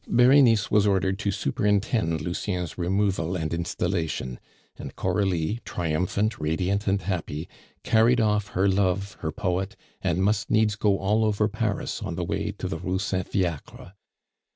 Berenice was ordered to superintend Lucien's removal and installation; and Coralie, triumphant, radiant, and happy, carried off her love, her poet, and must needs go all over Paris on the way to the Rue Saint Fiacre.